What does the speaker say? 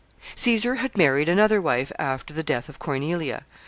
] Caesar had married another wife after the death of Cornelia.